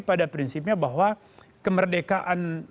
pada prinsipnya bahwa kemerdekaan